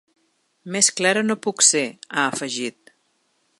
Més clara no puc ser, ha afegit.